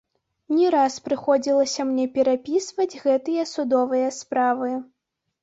Не раз прыходзілася мне перапісваць гэтыя судовыя справы.